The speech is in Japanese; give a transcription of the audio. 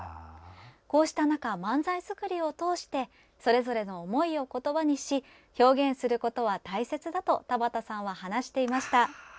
こうした中、漫才作りを通してそれぞれの思いを言葉にし表現することは大切だと田畑さんは話していました。